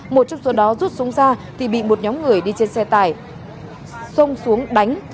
một trong số đó rút súng ra thì bị một nhóm người đi trên xe tải xông xuống đánh